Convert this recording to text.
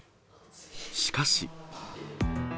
しかし。